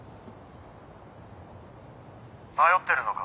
迷ってるのか？